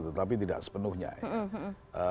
tetapi tidak sepenuhnya ya